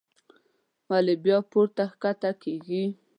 بيا ولې پورته کښته کيږي